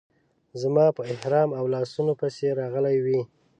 زما په احرام او لاسونو پسې راغلې وې.